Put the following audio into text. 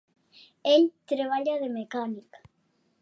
Ell treballa de mecànic.